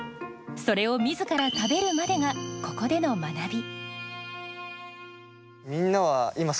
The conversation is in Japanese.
それを自ら食べるまでがここでの学び。